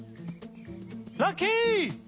ラッキー！